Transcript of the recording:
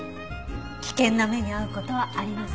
危険な目に遭う事はありません。